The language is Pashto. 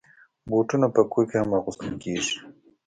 بوټونه په کور کې هم اغوستل کېږي.